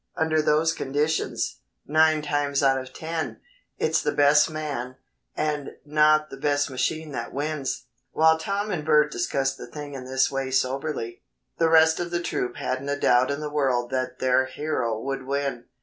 Under those conditions, nine times out of ten, it's the best man and not the best machine that wins." While Tom and Bert discussed the thing in this way soberly, the rest of the troop hadn't a doubt in the world that their hero would win.